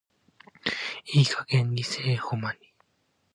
いい加減偽絵保マニ。